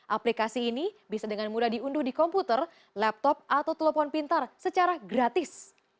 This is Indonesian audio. aplikasi ini bisa dengan mudah diunduh di komputer laptop atau telepon pintar secara gratis